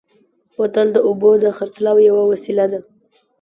بوتل د اوبو د خرڅلاو یوه وسیله ده.